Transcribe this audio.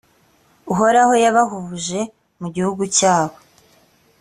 uhoraho yabahubuje mu gihugu cyabo,